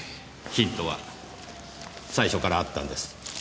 ヒントは最初からあったんです。